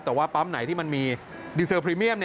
แต่ว่าปั๊มไหนที่มันมีดีเซลพรีเมียม